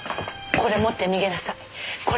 これ持って逃げなさい。